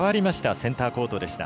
センターコートでした。